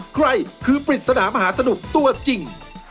ใครคือปริศนามหาสนุกตัวจริง